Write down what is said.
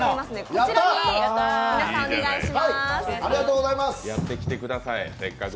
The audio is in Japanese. こちらに皆さん、お願いします。